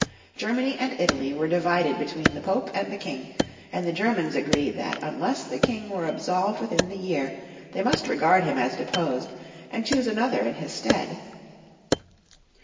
Germany and Italy were divided between the Pope and the King, and the Germans agreed that unless the King were absolved within the year they must regard him as deposed, and choose another in his stead.